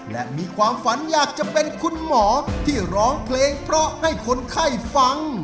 และมีความฝันอยากจะเป็นคุณหมอที่ร้องเพลงเพราะให้คนไข้ฟัง